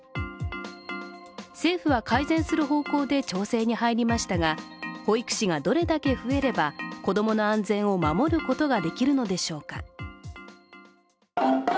政府は改善する方向で調整に入りましたが、保育士がどれだけ増えれば子供の安全を守ることができるのでしょうか。